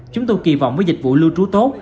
chúng tôi kỳ vọng với dịch vụ lưu trú tốt